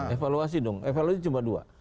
evaluasi dong evaluasi cuma dua